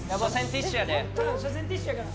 ティッシュやから。